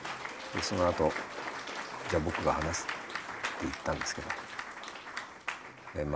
そのあとじゃあ僕が話すって言ったんですけどま